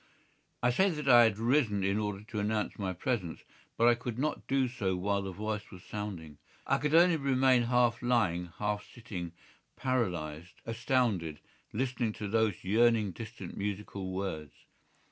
I say that I had risen in order to announce my presence, but I could not do so while the voice was sounding. I could only remain half lying, half sitting, paralysed, astounded, listening to those yearning distant musical words.